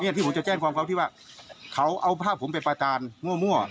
ที่ผมจะแจ้งความเขาที่ว่าเขาเอาภาพผมไปประการมั่ว